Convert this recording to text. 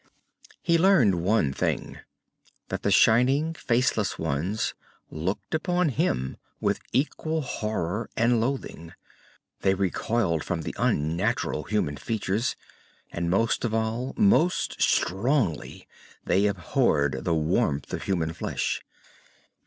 He learned one thing that the shining faceless ones looked upon him with equal horror and loathing. They recoiled from the unnatural human features, and most of all, most strongly, they abhorred the warmth of human flesh.